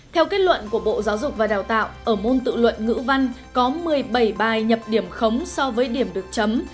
theo kết luận của bộ giáo dục và đào tạo ở môn tự luận ngữ văn có một mươi bảy bài nhập điểm khống so với điểm được chấm